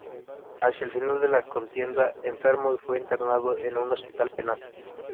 Hacia el final de la contienda enfermó y fue internado en un hospital penal.